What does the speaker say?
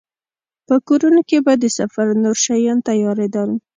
په کورونو کې به د سفر نور شیان تيارېدل.